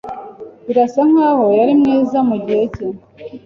Birasa nkaho yari mwiza mugihe cye.